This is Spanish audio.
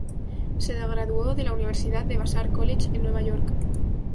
Se graduó de la Universidad de Vassar College, en Nueva York.